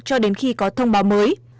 cho đến khi có thông báo mới